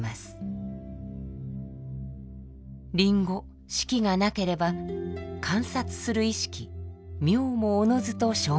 リンゴ色がなければ観察する意識名もおのずと消滅します。